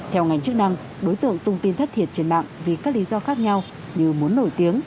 theo ngành chức năng đối tượng tung tin thất thiệt trên mạng vì các lý do khác nhau như muốn nổi tiếng